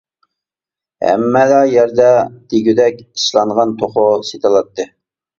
ھەممىلا يەردە دېگۈدەك ئىسلانغان توخۇ سېتىلاتتى.